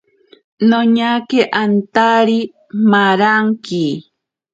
Noñake antari maranki.